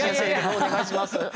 お願いします。